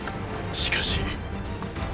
しかし。